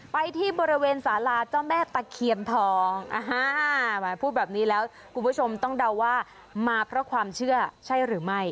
ไปที่บริเวณสาราเจ้าแม่ตะเคียนทองแหมพูดแบบนี้แล้วคุณผู้ชมต้องเดาว่ามาเพราะความเชื่อใช่หรือไม่